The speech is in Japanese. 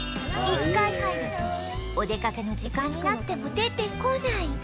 １回入るとお出かけの時間になっても出てこない